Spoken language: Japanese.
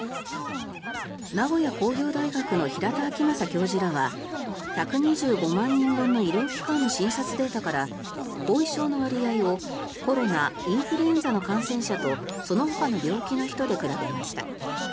名古屋工業大学の平田晃正教授らは１２５万人分の医療機関の診察データから後遺症の割合を、コロナインフルエンザの感染者とそのほかの病気の人で比べました。